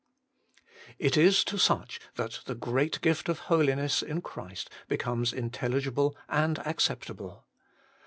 It is to such that the great gift of Holiness in Christ becomes intelligible and acceptable.